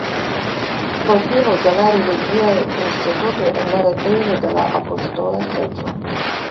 Profilo de la religiaj institutoj en la retejo de la Apostola Seĝo.